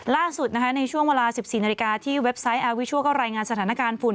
ล่าสุดในช่วงเวลา๑๔นาฬิกาที่เว็บไซต์แอร์วิชัวร์ก็รายงานสถานการณ์ฝุ่น